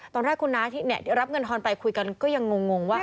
ตอนแรกคุณน้าที่รับเงินทอนไปคุยกันก็ยังงงว่า